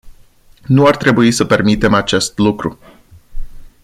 Nu ar trebui să permitem acest lucru.